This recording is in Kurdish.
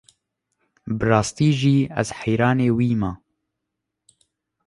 Bi rastî jî ez heyranê wî me.